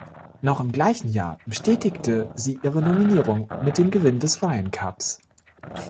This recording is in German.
Noch im gleichen Jahr bestätigte sie ihre Nominierung mit dem Gewinn des Ryan Cups.